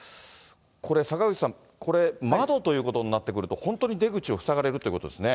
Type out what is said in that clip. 坂口さん、窓ということになってくると、本当に出口を塞がれるということですね。